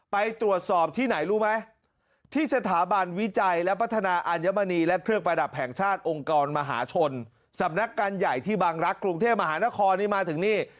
ไปตรวจสอบที่ไหนรู้ไหมที่สถาบันวิจัยและพัฒนาอัญมณีและเครื่องประดับแห่งชาติองค์กรมหาชนสำนักการใหญ่ที่บังรักษ์กรุงเทพมหานครนี่มาถึงนี่